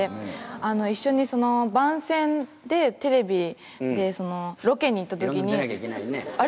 一緒に番宣でテレビで、ロケに行ったときに、あれ？